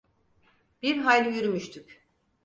Bir hayli yürümüştük.